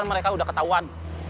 mereka udah ketahuan